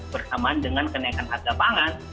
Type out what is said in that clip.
bersamaan dengan kenaikan harga pangan